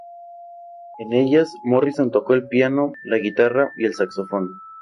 En ellas, Morrison tocó el piano, la guitarra y el saxofón.